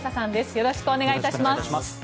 よろしくお願いします。